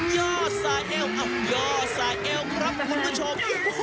ย่อสายเอวย่อสายเอวครับคุณผู้ชม